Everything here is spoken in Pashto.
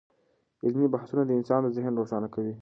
علمي بحثونه د انسان ذهن روښانه کوي.